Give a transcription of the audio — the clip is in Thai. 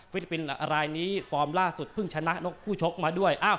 ปินส์รายนี้ฟอร์มล่าสุดเพิ่งชนะนกคู่ชกมาด้วย